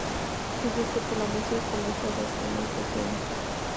Su gusto por la música comenzó desde muy pequeño.